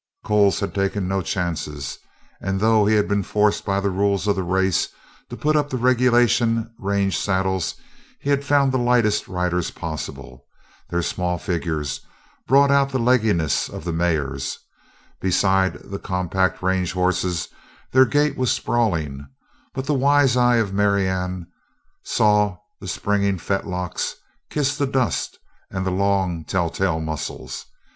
Coles had taken no chances, and though he had been forced by the rules of the race to put up the regulation range saddles he had found the lightest riders possible. Their small figures brought out the legginess of the mares; beside the compact range horses their gait was sprawling, but the wise eye of Marianne saw the springing fetlocks kiss the dust and the long, telltale muscles.